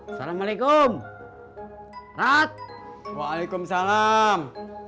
assalamualaikum rat waalaikumsalam